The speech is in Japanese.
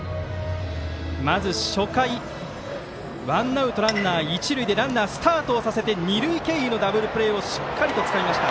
まず初回ワンアウト、ランナー、一塁でランナースタートをさせて二塁経由のダブルプレーをしっかりとつかみました。